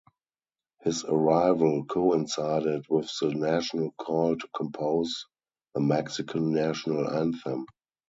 His arrival coincided with the national call to compose the Mexican National Anthem.